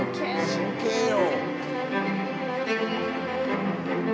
真剣よ。